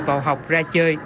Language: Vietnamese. vào học ra chơi